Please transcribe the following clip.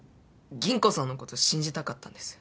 吟子さんのこと信じたかったんです。